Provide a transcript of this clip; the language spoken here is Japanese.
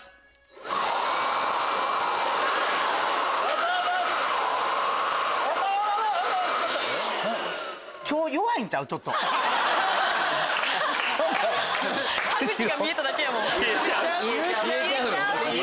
歯茎が見えただけやもん。